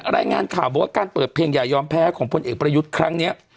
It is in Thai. รายงานข่าวบอกว่าการเปิดเพลงอย่ายอมแพ้ของพลเอกประยุทธ์ครั้งนี้